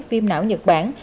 viêm não nhật bản